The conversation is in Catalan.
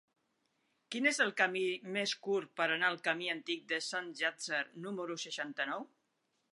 Quin és el camí més curt per anar al camí Antic de Sant Llàtzer número seixanta-nou?